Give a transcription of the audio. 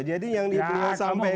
jadi yang beliau sampaikan